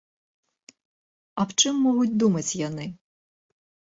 Аб чым могуць думаць яны?